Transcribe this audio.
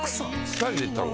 ２人で行ったの？